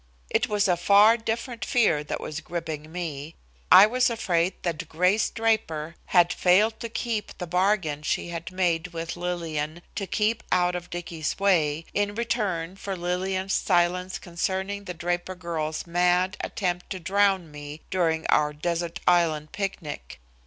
It was a far different fear that was gripping me. I was afraid that Grace Draper had failed to keep the bargain she had made with Lillian to keep out of Dicky's way, in return for Lillian's silence concerning the Draper girl's mad attempt to drown me during our "desert island picnic."